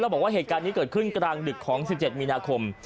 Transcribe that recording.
บอกว่าเหตุการณ์นี้เกิดขึ้นกลางดึกของ๑๗มีนาคม